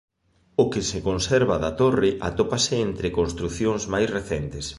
O que se conserva da torre atópase entre construcións máis recentes.